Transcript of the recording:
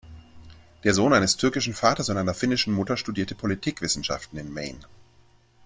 Der Sohn eines türkischen Vaters und einer finnischen Mutter studierte Politikwissenschaften in Maine.